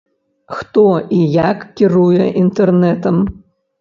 Хто і як кіруе інтэрнэтам?